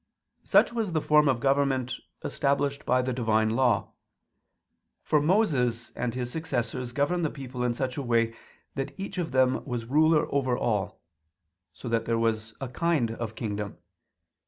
Such was the form of government established by the Divine Law. For Moses and his successors governed the people in such a way that each of them was ruler over all; so that there was a kind of kingdom.